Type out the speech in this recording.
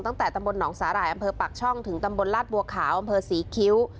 ตั้งแต่ตำบลหนองสาหร่ายอำเภอปากช่องถึงตำบลลาดบัวขาวอำเภอศรีคิ้ว